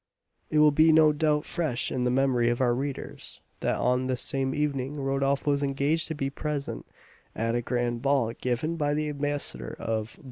It will be no doubt fresh in the memory of our readers, that on this same evening Rodolph was engaged to be present at a grand ball given by the ambassador of